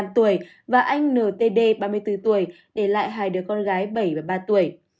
hai mươi năm tuổi và anh ntd ba mươi bốn tuổi để lại hai đứa con gái bảy và ba tuổi